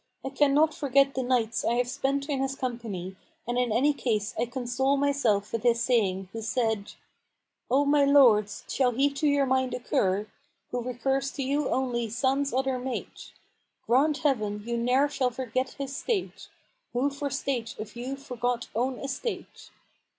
I cannot forget the nights I have spent in his company and in any case I console myself with his saying who said, 'O my lords, shall he to your mind occur * Who recurs to you only sans other mate? Grant Heaven you ne'er shall forget his state * Who for state of you forgot own estate!'